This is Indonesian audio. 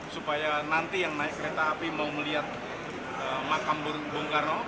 supaya nanti yang naik kereta api mau melihat makam bung karno